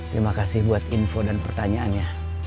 terima kasih buat info dan pertanyaannya